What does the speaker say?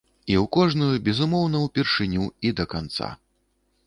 І у кожную, безумоўна, упершыню і да канца.